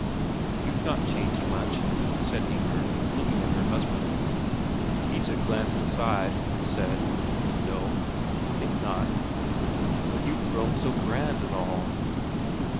"You've not changed much," said Inger, looking at her husband. Isak glanced aside, and said, "No, you think not? But you've grown so grand and all."